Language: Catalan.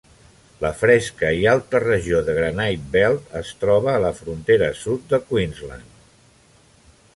La fresca i alta regió de Granite Belt es troba a la frontera sud de Queensland.